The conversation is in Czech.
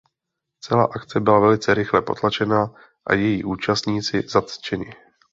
Celá akce byla velice rychle potlačena a její účastníci zatčeni.